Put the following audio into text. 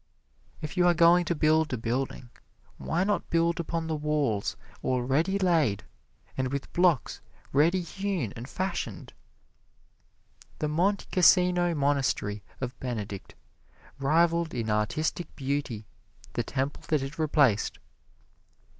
If you are going to build a building, why not build upon the walls already laid and with blocks ready hewn and fashioned! The Monte Cassino monastery of Benedict rivaled in artistic beauty the temple that it replaced.